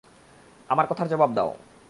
আমার কথার জবাব দাও।